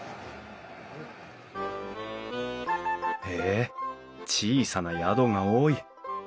へえ小さな宿が多い。